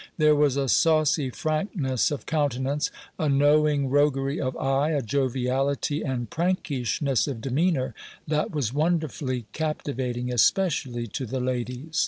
There was a saucy frankness of countenance, a knowing roguery of eye, a joviality and prankishness of demeanor, that was wonderfully captivating, especially to the ladies.